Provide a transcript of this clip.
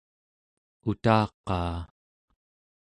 utaqaa